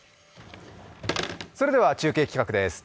それでは中継企画です。